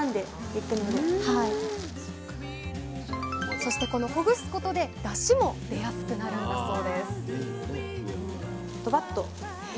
そしてこのほぐすことでだしも出やすくなるんだそうです